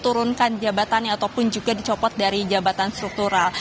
turunkan jabatannya ataupun juga dicopot dari jabatan struktural